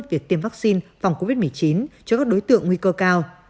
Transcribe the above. việc tiêm vaccine phòng covid một mươi chín cho các đối tượng nguy cơ cao